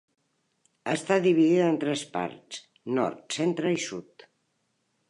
Està dividida en tres parts, nord, centre i sud.